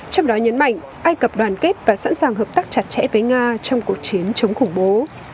trong đó nhấn mạnh ai cập đoàn kết và sẵn sàng hợp tác chặt chẽ với nga trong cuộc chiến chống khủng bố